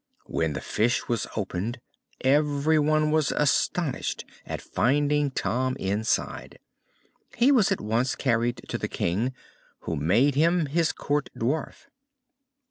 When the fish was opened, everyone was astonished at finding Tom inside. He was at once carried to the King, who made him his Court dwarf.